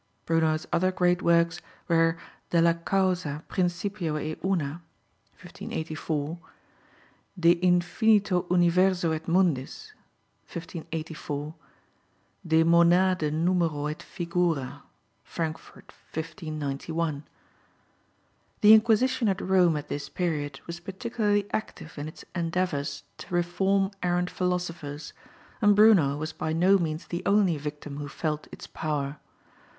Bruno's other great works were Della causa, principio e uno (1584), De infinito universo et mundis (1584), De monade numero et figura (Francfort, 1591). The Inquisition at Rome at this period was particularly active in its endeavours to reform errant philosophers, and Bruno was by no means the only victim who felt its power.